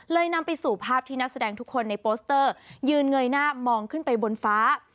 นำไปสู่ภาพที่นักแสดงทุกคนในโปสเตอร์ยืนเงยหน้ามองขึ้นไปบนฟ้า